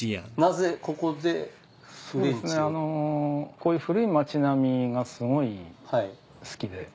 こういう古い町並みがすごい好きで。